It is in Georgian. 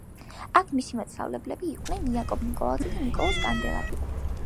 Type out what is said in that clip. აქ მისი მასწავლებლები იყვნენ იაკობ ნიკოლაძე და ნიკოლოზ კანდელაკი.